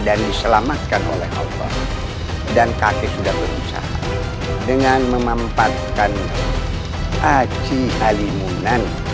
dan diselamatkan oleh allah dan kakek sudah berusaha dengan memanfaatkan aci halimunan